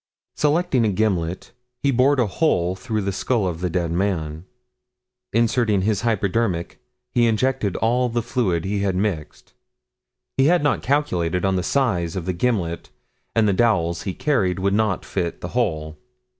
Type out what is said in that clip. Selecting a gimlet, he bored a hole through the skull of the dead man; inserting his hypodermic he injected all the fluid he had mixed. He had not calculated on the size of the gimlet and the dowels he carried would not fit the hole.